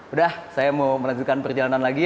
udah saya mau melanjutkan perjalanan lagi